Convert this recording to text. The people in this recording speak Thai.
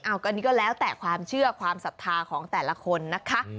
อันนี้ก็แล้วแต่ความเชื่อความศรัทธาของแต่ละคนนะคะ